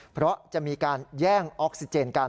เพราะจะมีการแย่งออกซิเจนกัน